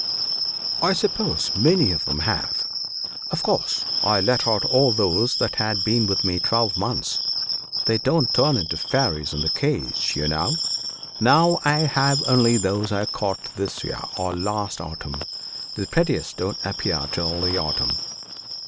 "I suppose many of them have. Of course I let out all those that had been with me twelve months they don't turn to fairies in the cage, you know. Now I have only those I caught this year, or last autumn; the prettiest don't appear till the autumn."